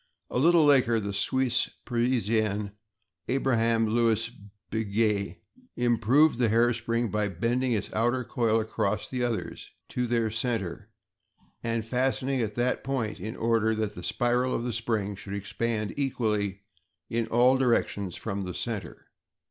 A little later, the Swiss Parisian, Abraham Louis Breguét, improved the hair spring by bending its outer coil across the others to their center and fastening it at that point in order that the spiral of the spring should expand equally in all directions from the center.